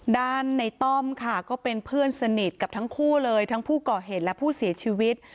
ด้านในต้อมค่ะก็เป็นเพื่อนสนิทกับทั้งคู่เลยทั้งผู้ก่อเหตุและผู้เสียชีวิต